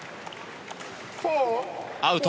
アウト。